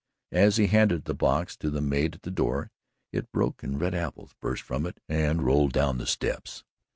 As he handed the box to the maid at the door, it broke and red apples burst from it and rolled down the steps.